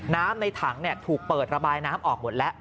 น้ำในถังถูกเปิดระบายน้ำออกหมดแล้ว